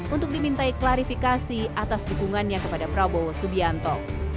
untuk dimintai klarifikasi atas dukungannya kepada prabowo subianto